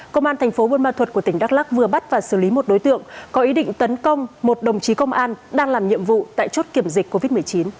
công an thành phố buôn ma thuật của tỉnh đắk lắc vừa bắt và xử lý một đối tượng có ý định tấn công một đồng chí công an đang làm nhiệm vụ tại chốt kiểm dịch covid một mươi chín